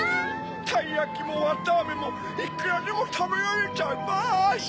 たいやきもわたあめもいくらでもたべられちゃいます！